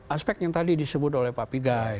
aspek yang tadi disebut oleh pak pigai